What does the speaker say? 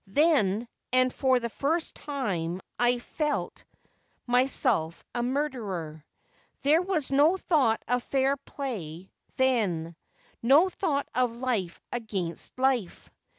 Then and for the first time I felt myself a murderer. There was no thought of fair play then, no thought of life against life.